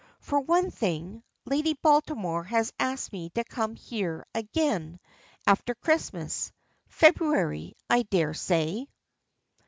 For one thing, Lady Baltimore has asked me to come here again after Christmas; February, I dare say."